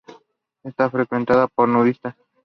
Está frecuentada por nudistas.